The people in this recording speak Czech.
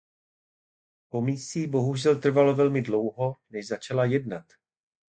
Komisi bohužel trvalo velmi dlouho, než začala jednat.